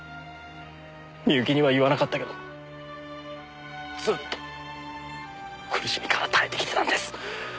深雪には言わなかったけどずっと苦しみから耐えてきてたんです。